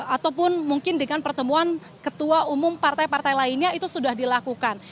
ataupun mungkin dengan pertemuan ketua umum partai partai lainnya itu sudah dilakukan